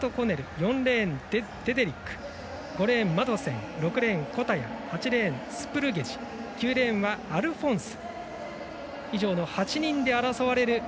４レーンのデデリック５レーン、マドセン６レーン、コタヤ７レーン、周召倩８レーン、スプルゲジ９レーン、アルフォンス。